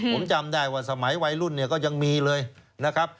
ผมจำได้ว่าสมัยวัยรุ่นเนี่ยก็ยังมีเลยนะครับ